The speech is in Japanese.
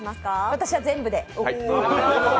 私は全部で。